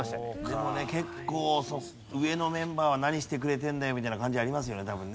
でもね結構上のメンバーは「何してくれてんだよ」みたいな感じありますよね多分ね。